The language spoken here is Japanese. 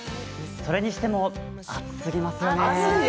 それにしても暑すぎますよね。